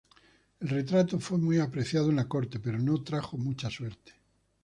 El retrato fue muy apreciado en la corte, pero no trajo mucha suerte.